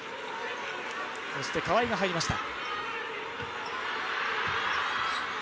そして川井が入りました。